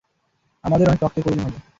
আমাদের অনেক রক্তের প্রয়োজন হবে।